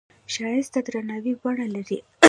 ښایست د درناوي بڼه لري